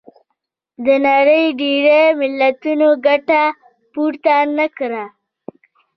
د نړۍ ډېری ملتونو ګټه پورته نه کړه.